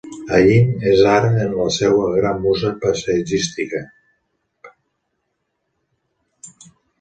Aín és ara la seua gran musa paisatgística.